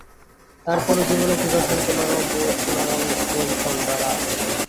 তার পরও জীবনে থাকে অসংখ্য নরম ভোর, সোনারং বিকেল, সন্ধ্যা, রাত।